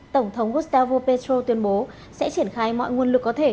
tổng thống gustavo petro tuyên bố sẽ triển khai mọi nguồn lực có thể